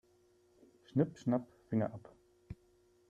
Schnipp-schnapp, Finger ab.